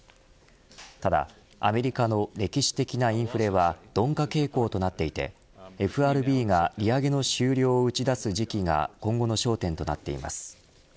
ただアメリカの歴史的なインフレは鈍化傾向となっていてＦＲＢが利上げの終了を打ち出す時期が今後の焦点となっています。